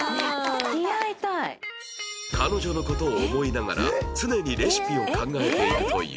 彼女の事を思いながら常にレシピを考えているという